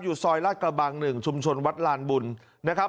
ซอยลาดกระบัง๑ชุมชนวัดลานบุญนะครับ